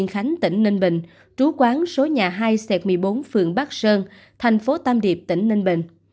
khánh tỉnh ninh bình trú quán số nhà hai set một mươi bốn phường bắc sơn thành phố tam điệp tỉnh ninh bình